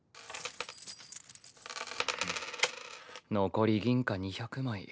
残り銀貨２００枚。